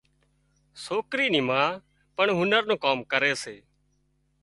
سوڪري نِي ما پڻ هنر نُون ڪام ڪري سي